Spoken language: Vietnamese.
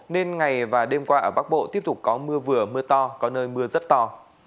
nên ngày và đêm qua ở bắc bộ tiếp tục có mưa vừa mưa to có nơi mưa rất to